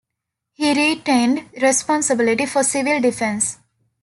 He retained responsibility for civil defence.